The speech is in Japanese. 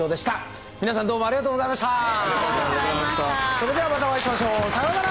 それではまたお会いしましょう。さようなら！